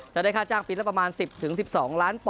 จะได้ค่าจ้างปีละประมาณ๑๐๑๒ล้าน